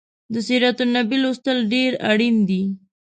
د سیرت النبي لوستل ډیر اړین دي